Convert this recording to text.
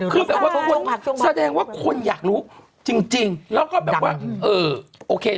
คือแบบว่าแสดงว่าคนอยากรู้จริงแล้วก็แบบว่าเออโอเค